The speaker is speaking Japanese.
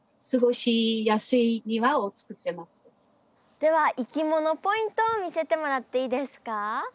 ではいきものポイントを見せてもらっていいですか？